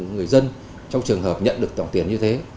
người dân trong trường hợp nhận được tổng tiền như thế